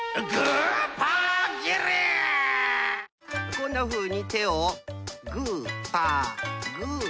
こんなふうに手をグーパーグーパー。